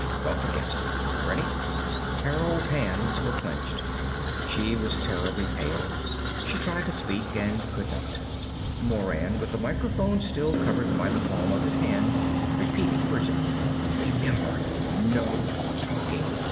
Don't forget! Ready?" Carol's hands were clenched. She was terribly pale. She tried to speak, and could not. Moran, with the microphone still covered by the palm of his hand, repeated urgently; "Remember, no talking!